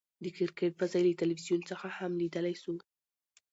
د کرکټ بازۍ له تلویزیون څخه هم ليدلاى سو.